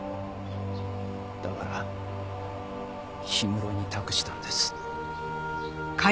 だから氷室に託したんです。